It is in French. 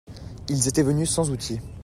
Ils étaient venus sans outil.